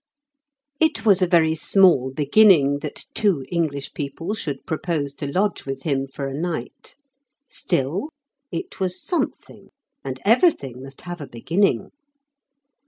It was a very small beginning that two English people should propose to lodge with him for a night. Still, it was something, and everything must have a beginning.